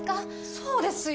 そうですよ